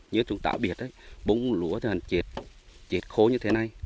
như chúng ta biết bông lúa thì chết khô như thế này